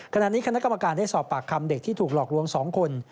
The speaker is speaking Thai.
ขณะนี้คณะกรรมการได้สอบปากคำเด็กที่ถูกหลอกลวง๒คน